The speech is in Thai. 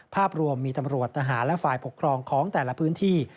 ภาพรวมมีตำรวจทหารและฝ่ายปกครองของแต่ละพื้นที่